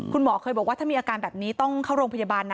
คุณหมอเคยบอกว่าถ้ามีอาการแบบนี้ต้องเข้าโรงพยาบาลนะ